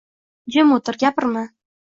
“Jim o‘tir, gapirma!”